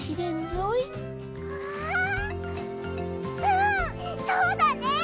うんそうだね！